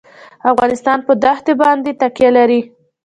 افغانستان په دښتې باندې تکیه لري.